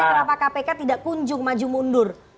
kenapa kpk tidak kunjung maju mundur